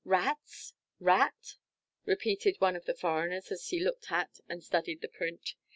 "Rats! rat!" repeated one of the foreigners, as he looked at and studied the print.